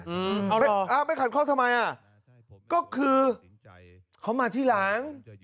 เอาไปขัดข้องทำไมอ่ะก็คือเขามาที่หลัง